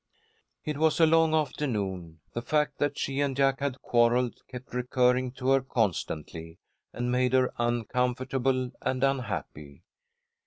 It was a long afternoon. The fact that she and Jack had quarrelled kept recurring to her constantly, and made her uncomfortable and unhappy.